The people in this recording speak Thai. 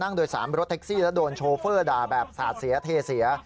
โดย๓รถแท็กซี่แล้วโดนโชเฟอร์ด่าแบบสาดเสียเทเสีย